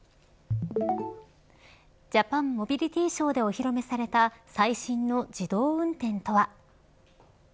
ジャパンモビリティショーでお披露目された最新の自動運転とは。